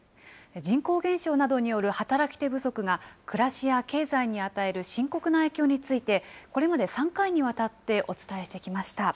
人口減少などによる働き手不足が、暮らしや経済に与える深刻な影響について、これまで３回にわたってお伝えしてきました。